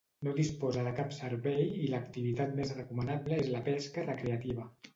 No disposa de cap servei i l'activitat més recomanable és la pesca recreativa.